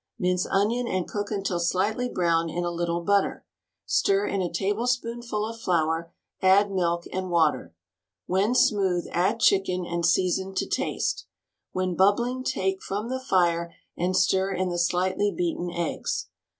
Mince onion and cook until slightly brown in a little but ter. Stir in a tablespoonful of flour, add milk and water. When smooth add chicken and season to taste. When bubbling take from the fire and stir in the slightly beaten eggs.